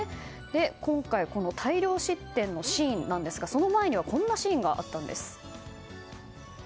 今回大量失点のシーンなんですがその前にはこんなシーンがあったんです。